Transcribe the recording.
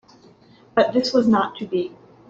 But this was not to be.